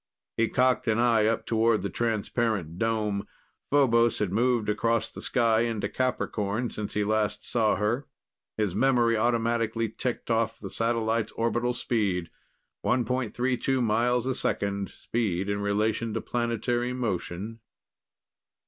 He cocked an eye up toward the transparent dome. Phobos had moved across the sky into Capricorn since he last saw her. His memory automatically ticked off the satellite's orbital speed: 1.32 miles a second; speed in relation to planetary motion....